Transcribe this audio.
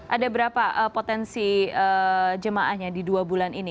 ada berapa potensi jemaahnya di dua bulan ini